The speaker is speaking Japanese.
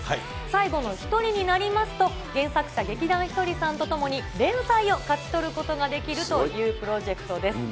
最後の１人になりますと、原作者、劇団ひとりさんと共に、連載を勝ち取ることができるというプロジェクトです。